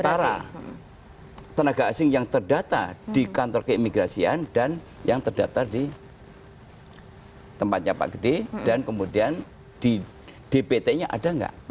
antara tenaga asing yang terdata di kantor keimigrasian dan yang terdaftar di tempatnya pak gede dan kemudian di dpt nya ada nggak